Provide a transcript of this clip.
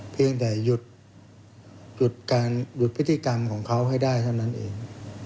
เพียงแต่หยุดการหยุดพฤติกรรมของเขาให้ได้เท่านั้นเอง